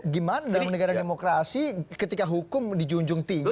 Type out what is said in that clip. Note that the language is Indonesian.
gimana dalam negara demokrasi ketika hukum dijunjung tinggi